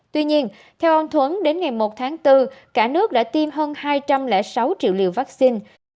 tuy nhiên theo ông thuấn đến ngày một tháng bốn cả nước đã tiêm hơn hai trăm linh sáu triệu liều vaccine